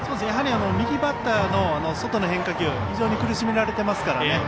やはり右バッターの外の変化球に非常に苦しめられていますからね。